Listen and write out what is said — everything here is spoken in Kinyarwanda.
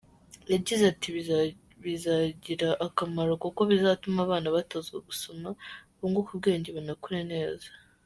Yagize ati “Bizagira akamaro kuko bizatuma abana batozwa gusoma, bunguke ubwenge banakure neza.